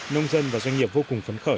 nông dân và doanh nghiệp vô cùng phấn khởi